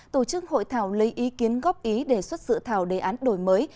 tổ chức hội thảo lấy ý kiến góp ý để xuất sự thảo đề án đổi mới